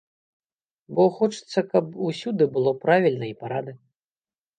Бо хочацца, каб усюды было правільна і парадак.